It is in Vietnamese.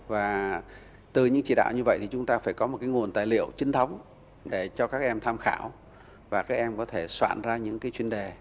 và từ những chỉ đạo như vậy thì chúng ta phải có một cái nguồn tài liệu trinh thống để cho các em tham khảo và các em có thể soạn ra những cái chuyên đề